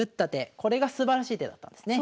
これがすばらしい手だったんですね。